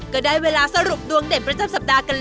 ก็ได้เวลาสรุปดวงเด่นประจำสัปดาห์กันแล้ว